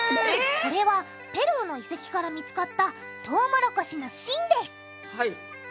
これはペルーの遺跡から見つかったトウモロコシの芯ですはい。